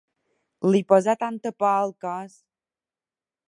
Li posà tanta por al cos!